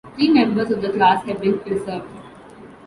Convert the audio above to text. Three members of the class have been preserved.